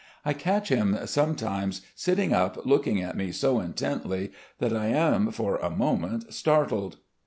I catch him sometimes sitting up looking at me so intently that I am for a moment startled.